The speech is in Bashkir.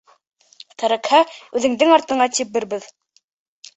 Кәрәкһә, үҙеңдең артыңа тибербеҙ!